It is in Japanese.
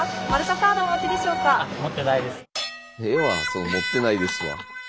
その「持ってないです」は。